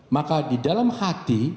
maka di dalam hati